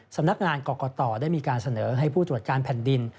สำนักงานกรกตได้มีการเสนอให้ผู้ตรวจการแผ่นดิน